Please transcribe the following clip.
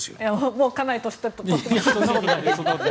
もうかなり年を取ってますが。